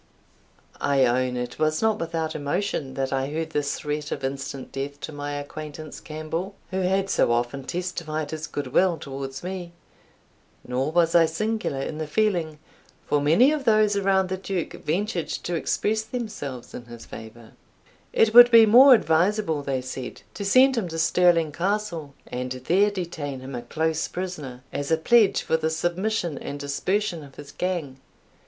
I own it was not without emotion that I heard this threat of instant death to my acquaintance Campbell, who had so often testified his good will towards me. Nor was I singular in the feeling, for many of those around the Duke ventured to express themselves in his favour. "It would be more advisable," they said, "to send him to Stirling Castle, and there detain him a close prisoner, as a pledge for the submission and dispersion of his gang.